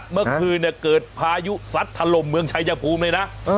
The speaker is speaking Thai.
เมื่อคืนเนี่ยเกิดพายุสัดถลมเมืองชายภูมิเลยนะเออ